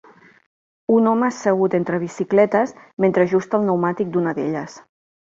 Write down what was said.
Un home assegut entre bicicletes mentre ajusta el pneumàtic d'una d'elles.